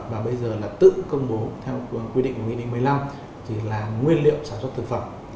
và bây giờ là tự công bố theo quy định một mươi năm là nguyên liệu sản phẩm thực phẩm